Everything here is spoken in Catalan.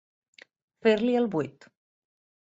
Fer-li el buit.